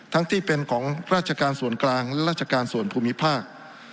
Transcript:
ทั้งที่เป็นของราชการส่วนกลางราชการส่วนภูมิภาค